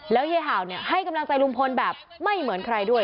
ยายเห่าให้กำลังใจลุงพลแบบไม่เหมือนใครด้วย